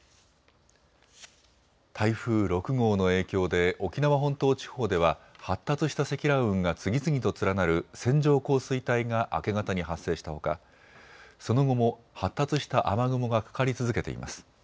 台風６号の影響で沖縄本島地方では発達した積乱雲が次々と連なる線状降水帯が明け方に発生したほかその後も発達した雨雲がかかり続けています。